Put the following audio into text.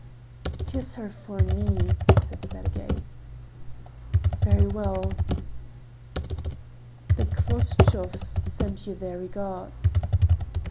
"Kiss her for me," said Sergey. "Very well. The Khvostovs send you their regards."